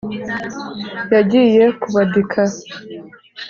yagiye kubadika ()